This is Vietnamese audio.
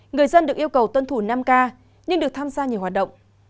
người dân được yêu cầu tuân thủ năm k nhưng được tham gia nhiều hoạt động